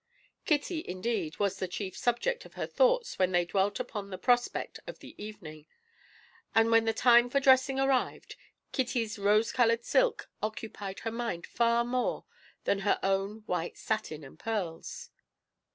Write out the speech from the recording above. Kitty, indeed, was the chief subject of her thoughts when they dwelt upon the prospect of the evening, and when the time for dressing arrived Kitty's rose coloured silk occupied her mind far more than her own white satin and pearls.